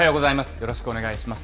よろしくお願いします。